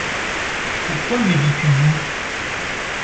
Pourquoi me dis-tu vous ?